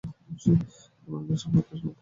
এটি মানবদেহের সর্বাপেক্ষা লম্বা এবং শক্ত অস্থি।